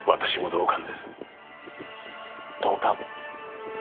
同感。